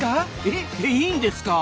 えっいいんですか？